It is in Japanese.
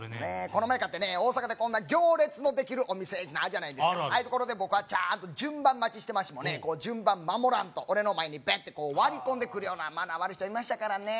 この前かってね大阪で行列のできるお店ってあるじゃないですかああいうところで僕はちゃんと順番待ちしてましてもね順番守らんと俺の前にベッて割り込んでくるようなマナー悪い人いましたからね